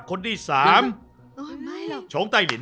คนที่สามโชงไต้ลิ้น